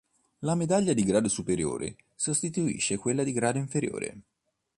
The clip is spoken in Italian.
La Medaglia di grado superiore sostituisce quella di grado inferiore.